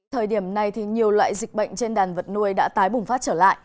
thời điểm này thì nhiều loại dịch bệnh trên đàn vật nuôi đã tái bùng phát trở lại